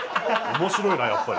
面白いなやっぱり。